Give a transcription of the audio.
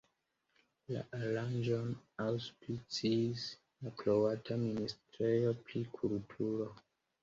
La aranĝon aŭspiciis la kroata Ministrejo pri Kulturo.